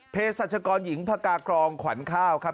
สัชกรหญิงพกากรองขวัญข้าวครับ